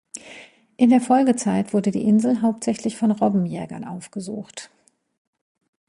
In der Folgezeit wurde die Insel hauptsächlich von Robbenjägern aufgesucht.